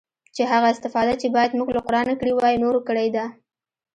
چې هغه استفاده چې بايد موږ له قرانه کړې واى نورو کړې ده.